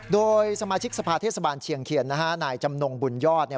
โดยสมาชิกสภาเทศบาลเชียงเขียนนะฮะนายจำนงบุญยอดเนี่ย